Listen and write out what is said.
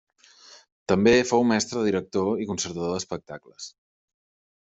També fou mestre director i concertador d'espectacles.